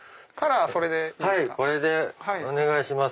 はいこれでお願いします。